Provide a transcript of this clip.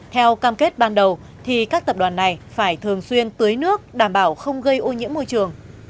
theo cam kết ban đầu thì các tập đoàn này phải thường xuyên tưới nước đảm bảo không gây ô nhiễm môi trường